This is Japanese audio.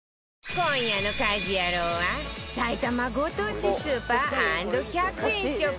今夜の『家事ヤロウ！！！』は埼玉ご当地スーパー ＆１００ 円ショップ